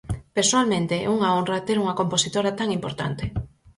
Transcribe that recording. Persoalmente, é unha honra ter unha compositora tan importante.